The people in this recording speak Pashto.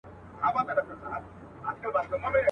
چي په لاره کي د دوی څنګ ته روان یم.